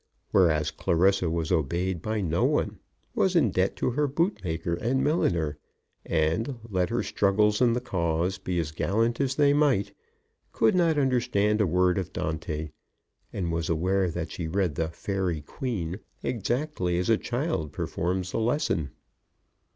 Whereas Clarissa was obeyed by no one, was in debt to her bootmaker and milliner, and, let her struggles in the cause be as gallant as they might, could not understand a word of Dante, and was aware that she read the "Faery Queen" exactly as a child performs a lesson.